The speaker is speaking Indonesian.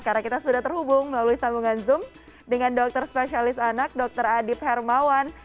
karena kita sudah terhubung melalui sambungan zoom dengan dokter spesialis anak dokter adip hermawan